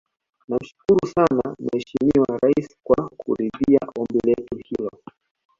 Namshukuru sana Mheshimiwa Rais kwa kuridhia ombi letu hilo